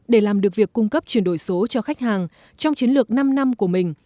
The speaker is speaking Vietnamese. để làm được việc cung cấp chuyển đổi số cho khách hàng trong chiến lược năm năm của mình